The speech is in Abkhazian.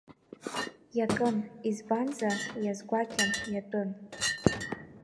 Иакын, избанзар, иазгәакьан, иатәын.